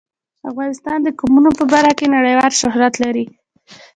افغانستان د قومونه په برخه کې نړیوال شهرت لري.